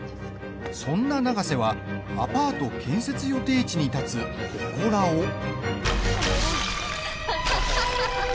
そんな永瀬はアパート建設予定地に立つほこらを。